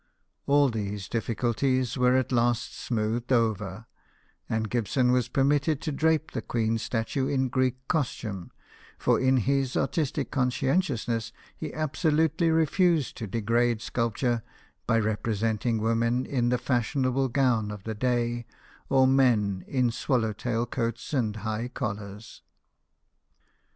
All these difficulties w r ere at last smoothed over ; and Gibson was also permitted to crape the queen's statue in Greek costume, for in his artistic conscientiousness he abso lutely refused to degrade sculpture by represent ing women in the fashionable gown of the day, or men in swallow tail coats and high collars.